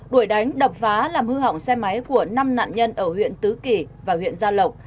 đuổi đánh đập phá làm hư hỏng xe máy của năm nạn nhân ở huyện tứ kỳ và huyện gia lộc